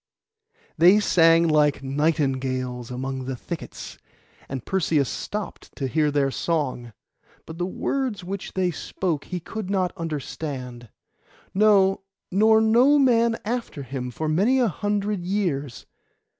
They sang like nightingales among the thickets, and Perseus stopped to hear their song; but the words which they spoke he could not understand; no, nor no man after him for many a hundred years.